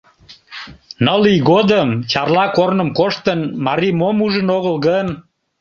Ныл ий годым, Чарла корным коштын, марий мом ужын огыл гын?